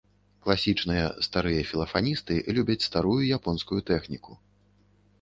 Класічныя, старыя філафаністы любяць старую японскую тэхніку.